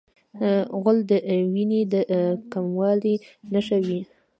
غول د وینې د کموالي نښه وي.